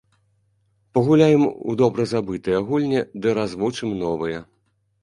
Пагуляем у добра забытыя гульні ды развучым новыя.